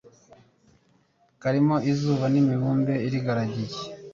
karimo izuba n'imibumbe irigaragiye